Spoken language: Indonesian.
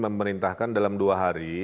memerintahkan dalam dua hari